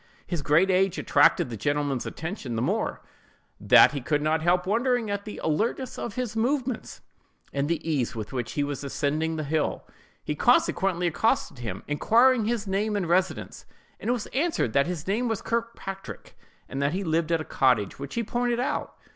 His great age attracted the gentleman's attention the more, that he could not help wondering at the alertness of his movements, and the ease with which he was ascending the hill. He consequently accosted him, inquiring his name and residence; and was answered that his name was Kirkpatrick, and that he lived at a cottage, which he pointed out.